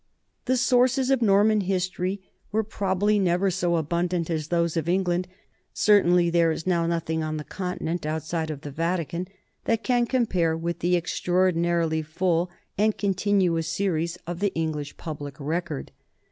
The sources of Norman history were probably never so abundant as those of England ; certainly there is now nothing on the Continent, outside of the Vatican, that can compare with the extraordinarily full and con tinuous series of the English public records.